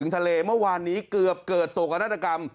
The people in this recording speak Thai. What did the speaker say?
ทะเลเมื่อวานนี้เกือบเกิดโศกนาฏกรรม